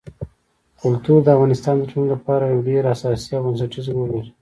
کلتور د افغانستان د ټولنې لپاره یو ډېر اساسي او بنسټيز رول لري.